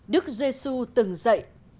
đức giê xu từng dạy